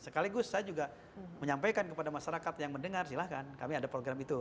sekaligus saya juga menyampaikan kepada masyarakat yang mendengar silahkan kami ada program itu